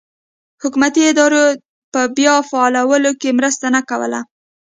حکومتي ادارو په بیا فعالولو کې مرسته نه کوله.